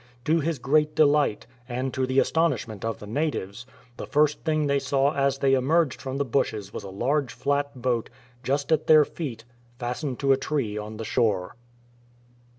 To his great delight, and to the astonishment of the natives, the first thing they saw as they emerged from the bushes was a large flat boat, just at their feet, fastened to a tree on the shore.